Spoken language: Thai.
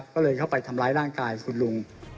ก็เลยเข้าไปทำร้ายร่างกายคุณลุง